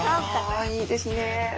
ああいいですね。